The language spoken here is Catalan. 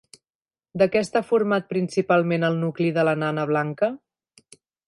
De què està format principalment el nucli de la nana blanca?